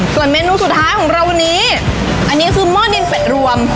ส่วนเมนูสุดท้ายของเราวันนี้อันนี้คือหม้อดินเป็ดรวม